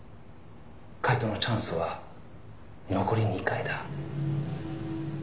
「解答のチャンスは残り２回だ」